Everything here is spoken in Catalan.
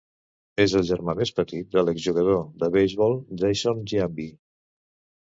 És el germà més petit de l'exjugador de beisbol Jason Giambi.